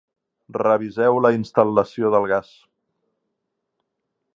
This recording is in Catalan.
Reviseu la instal·lació del gas.